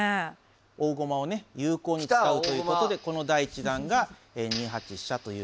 大駒を有効に使おうということでこの第一弾が２八飛車という感じになります。